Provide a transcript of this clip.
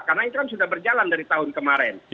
karena ini kan sudah berjalan dari tahun kemarin